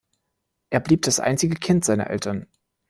Er blieb das einzige Kind seiner Eltern.